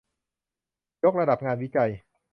ยกระดับงานวิจัย